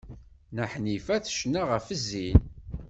Nna Ḥnifa tecna ɣef zzin.